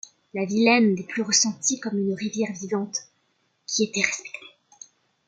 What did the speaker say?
La Vilaine n'est plus ressentie comme une rivière vivante qui était respectée.